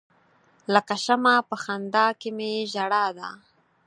لکه شمع په خندا کې می ژړا ده.